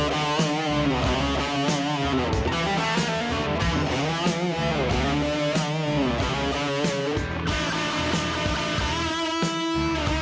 โปรดติดตามตอนต่อไป